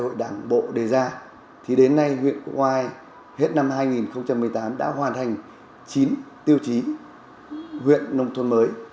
hội đảng bộ đề ra thì đến nay huyện quốc oai hết năm hai nghìn một mươi tám đã hoàn thành chín tiêu chí huyện nông thôn mới